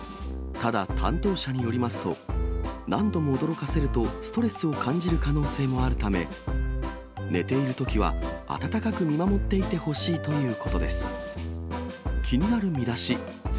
ただ、担当者によりますと、何度も驚かせると、ストレスを感じる可能性もあるため、寝ているときは温かく見守っていてほしいということです。